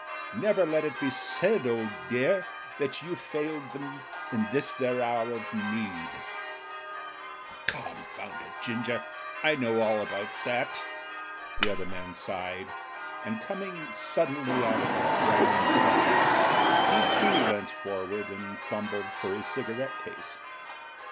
Never let it be said, old dear, that you failed them in this their hour of need/' "Confound it. Ginger, I know all about that!" The other man sighed and, coming suddenly out of his brown study, he too leant forward and fumbled for his cigarette case.